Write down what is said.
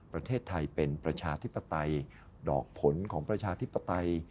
ประเทศไทยเป็นประชาธิปไตยดอกผลของประชาธิปไตย